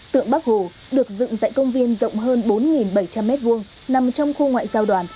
tượng bắc hồ được dựng tại công viên rộng hơn bốn bảy trăm linh m hai nằm trong khu ngoại giao đoàn